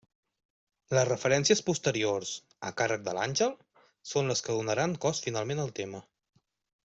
Les referències posteriors, a càrrec de l'àngel, són les que donaran cos finalment al tema.